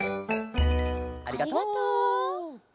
ありがとう。